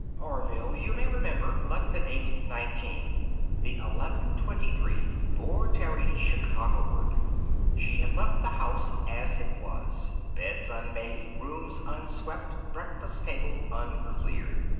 Orville, you may remember, left at 8:19. The 11:23 bore Terry Chicago ward. She had left the house as it was beds unmade, rooms unswept, breakfast table uncleared.